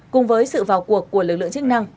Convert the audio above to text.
cùng với sự vào cuộc của lực lượng chức năng